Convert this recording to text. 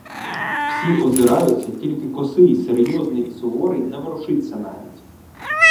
Всі озираються, тільки косий, серйозний і суворий, не ворушиться навіть.